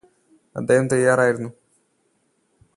അദ്ദേഹം തയ്യാറായിരുന്നു